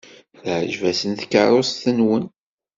Teɛjeb-asen tkeṛṛust-nwen.